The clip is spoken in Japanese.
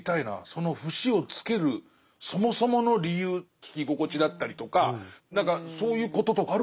その節をつけるそもそもの理由聴き心地だったりとか何かそういうこととかあるのかしら。